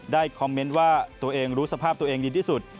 คอมเมนต์ว่าตัวเองรู้สภาพตัวเองดีที่สุด